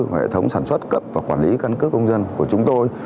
hệ thống sản xuất cấp và quản lý căn cước công dân của chúng tôi